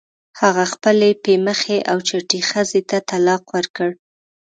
هغه خپلې پی مخې او چټې ښځې ته طلاق ورکړ.